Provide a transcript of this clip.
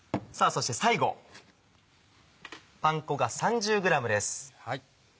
そして最後パン粉が３０ｇです。